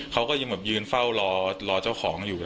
เขาก็ยังแบบยืนเฝ้ารอเจ้าของอยู่